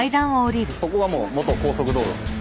ここはもう元高速道路です。